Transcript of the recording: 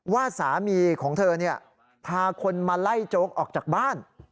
ว่าสามีของเธอพาคนมาไล่โจ๊กออกจากบ้าน